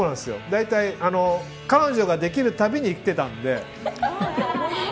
大体、彼女ができる度に行っていたので。